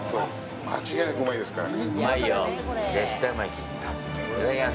間違いなくうまいですからね。